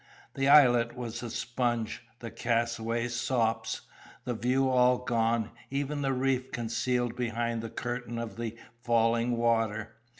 The islet was a sponge, the castaways sops; the view all gone, even the reef concealed behind the curtain of the falling water.